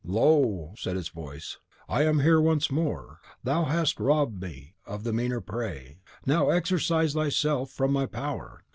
"Lo!" said its voice, "I am here once more. Thou hast robbed me of a meaner prey. Now exorcise THYSELF from my power!